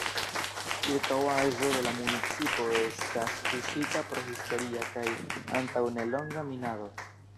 Ĉirkaŭaĵo de la municipo estas tuŝita pro historia kaj antaŭ nelonga minado.